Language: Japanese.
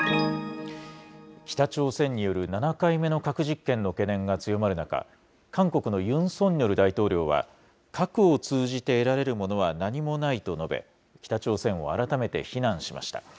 北朝鮮による７回目の核実験の懸念が強まる中、韓国のユン・ソンニョル大統領は、核を通じて得られるものは何もないと述べ、北朝鮮を改めて非難しました。